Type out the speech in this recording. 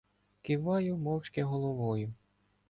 Киваю мовчки головою.